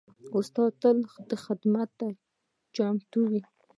استاد تل خدمت ته چمتو وي.